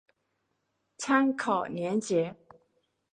参考连结